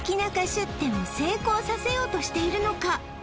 出店を成功させようとしているのか？